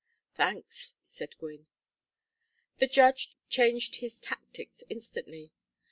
"Thanks," said Gwynne. The judge changed his tactics instantly.